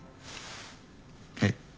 えっ。